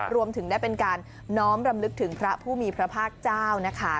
รวมถึงได้เป็นการน้อมรำลึกถึงพระผู้มีพระภาคเจ้านะคะ